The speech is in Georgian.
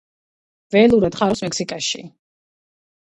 ველურად ხარობს მექსიკაში.